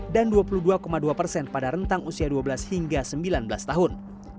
dan dua puluh dua dua pada rentang usia dua belas hingga sembilan belas tahun